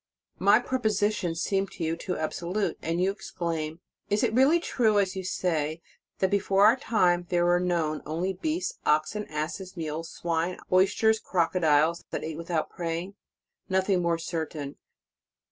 My propositions seem to you too absolute, and you exclaim: "Is it really true, as you say, that before our time there were known only beasts, oxen, asses, mules, swine, oys ters, crocodiles, that ate without praying?" Nothing more certain.